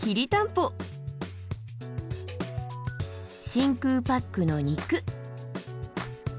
真空パックの肉。